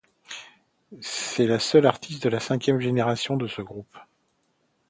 C'est la seule artiste de la cinquième génération de ce groupe.